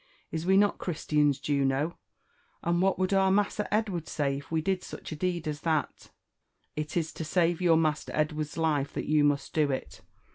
Is we not Christians, Juno? and what would ocr Massa Edward say if we did such a deed as that V "It is to save your master Edward's life that you must do it.